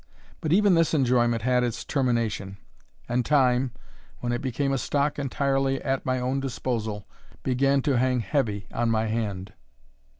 But even this enjoyment had its termination; and time, when it became a stock entirely at my own disposal, began to hang heavy on my hand.